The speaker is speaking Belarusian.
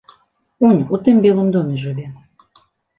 Унь у тым белым доме жыве.